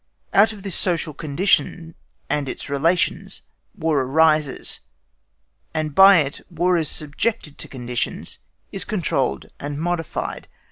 Out of this social condition and its relations War arises, and by it War is subjected to conditions, is controlled and modified.